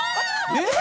えっ！